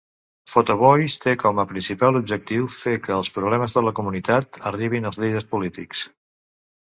Photovoice té com a principal objectiu fer que els problemes de la comunitat arribin als líders polítics.